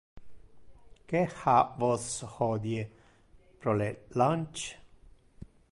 Que ha vos hodie pro le lunch?